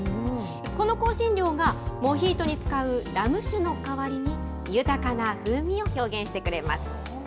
この香辛料がモヒートに使うラム酒の代わりに、豊かな風味を表現してくれます。